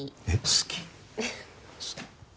好き？